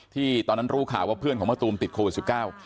ตอนนั้นรู้ข่าวว่าเพื่อนของมะตูมติดโควิดสิบเก้า